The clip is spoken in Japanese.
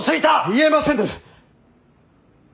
言えませぬ！